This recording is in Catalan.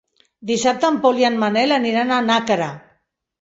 Dissabte en Pol i en Manel aniran a Nàquera.